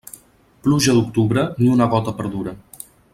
Pluja d'octubre, ni una gota perdura.